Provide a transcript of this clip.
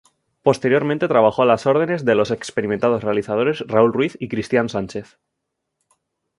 Posteriormente trabajó a las órdenes de los experimentados realizadores Raúl Ruiz y Cristián Sánchez.